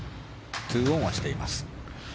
２オンはしています。